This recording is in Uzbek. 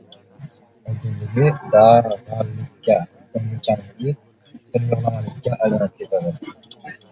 oddiyligi — dag‘allikka, ko‘ngilchanligi — tilyog‘lamalikka aylanib ketadi.